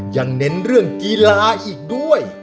เน้นเรื่องกีฬาอีกด้วย